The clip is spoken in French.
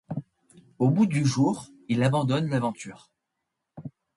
Au bout du jour il abandonne l'aventure.